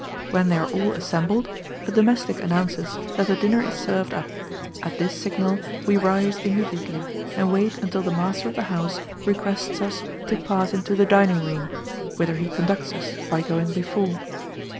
When they are all assembled, a domestic announces that the dinner is served up; at this signal we rise immediately, and wait until the master of the house requests us to pass into the dining room, whither he conducts us, by going before.